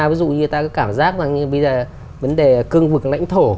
ví dụ như ta có cảm giác rằng bây giờ vấn đề cương vực lãnh thổ